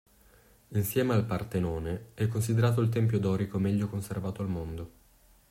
Insieme al Partenone, è considerato il tempio dorico meglio conservato al mondo.